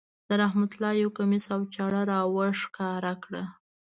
رحمت الله یو کمیس او چاړه را وښکاره کړه.